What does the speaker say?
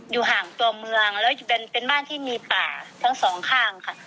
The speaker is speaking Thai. อยู่ห่างตัวเมืองแล้วเป็นบ้านที่มีป่าทั้งสองข้างค่ะ